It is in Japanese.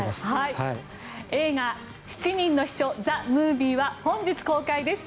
映画「七人の秘書ＴＨＥＭＯＶＩＥ」は本日公開です。